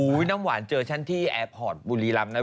น้ำหวานเจอฉันที่แอร์พอร์ตบุรีรำนะ